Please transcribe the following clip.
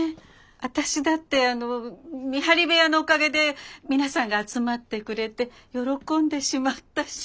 私だって見張り部屋のおかげで皆さんが集まってくれて喜んでしまったし。